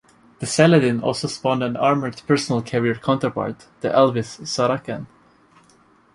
The Saladin also spawned an armoured personnel carrier counterpart, the Alvis Saracen.